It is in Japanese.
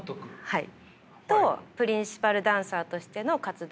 はい。